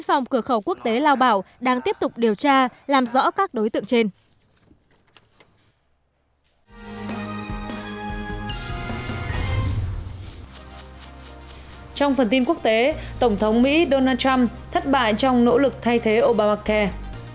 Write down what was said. tổng thống mỹ donald trump thất bại trong nỗ lực thay thế obamacare